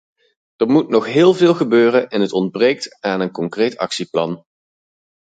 Er moet nog heel veel gebeuren, en het ontbreekt aan een concreet actieplan.